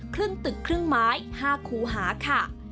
ครึ่งตึกครึ่งไม้๕คูหาค่ะ